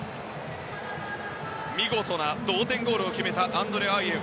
見事な同点ゴールを決めたアンドレ・アイェウ。